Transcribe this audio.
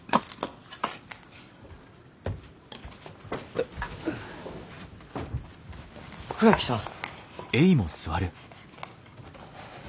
え倉木さん。